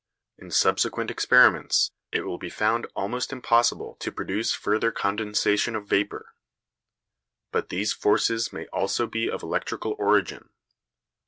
In subsequent experiments it will be found almost impossible to produce further condensation of vapour. But these forces may also be of electrical origin.